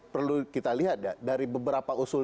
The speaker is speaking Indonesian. perlu kita lihat ya dari beberapa usul